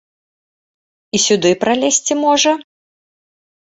І сюды пралезці можа?